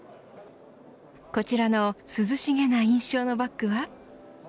こちらの涼しげな印象のバッグは。